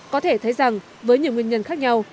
có thể thấy rằng với nhiều nguyên nhân khác nhau